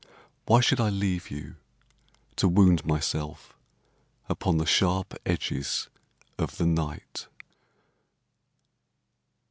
Why should I leave you, To wound myself upon the sharp edges of the night?